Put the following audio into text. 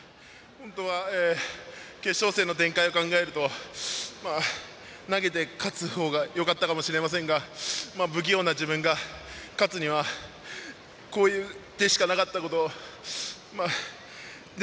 本当は決勝戦の展開を考えると投げて勝つ方がよかったかもしれませんが不器用な自分が勝つにはこういう手しかなかったことで。